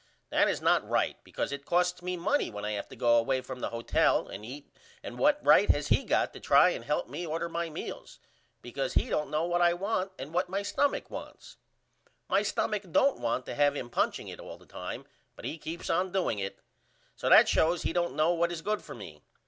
That is not right because it costs me money when I have to go away from the hotel and eat and what right has he got to try and help me order my meals? Because he don't know what I want and what my stumach wants. My stumach don't want to have him punching it all the time but he keeps on doing it. So that shows he don't know what is good for me.